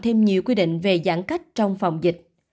thêm nhiều quy định về giãn cách trong phòng dịch